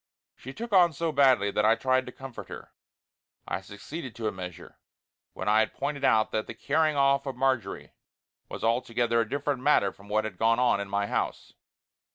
She took on so badly that I tried to comfort her. I succeeded to a measure, when I had pointed out that the carrying off of Marjory was altogether a different matter from what had gone on in my house.